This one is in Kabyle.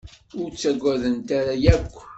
Ur ttaggadent ara akk.